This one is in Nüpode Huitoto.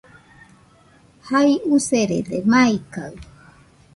Jai userede, maikaɨ